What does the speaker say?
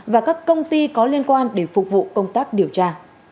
và các công ty có liên quan để phục vụ công tác điều tra